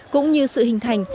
cũng như sự hình thành